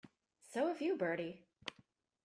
So have you, Bertie.